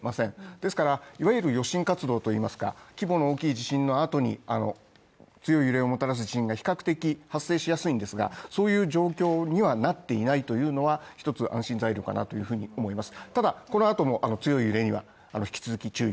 ですからいわゆる余震活動といいますか規模の大きい地震のあとに強い揺れをもたらす地震が比較的発生しやすいんですが、そういう状況になっていないというのは一つ安心材料かなと思います。